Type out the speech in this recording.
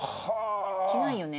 着ないよね？